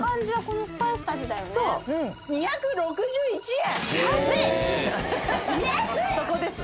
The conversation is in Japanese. ２６１円！